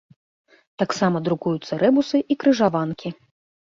Таксама друкуюцца рэбусы і крыжаванкі.